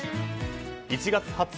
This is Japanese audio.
１月２０日